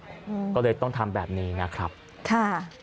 อืมก็เลยต้องทำแบบนี้นะครับค่ะ